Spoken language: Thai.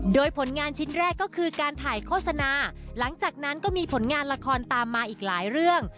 โดยผลงานชิ้นแรกก็คือการถ่ายโฆษณาหลังจากนั้นก็มีผลงานละครตามมาอีกหลายเรื่อง